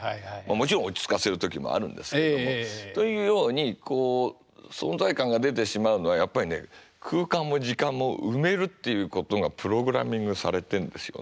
もちろん落ち着かせる時もあるんですけども。というようにこう存在感が出てしまうのはやっぱりね空間も時間も埋めるっていうことがプログラミングされてんですよね。